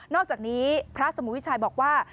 อกจากนี้พระสมุวิชัยบอกว่า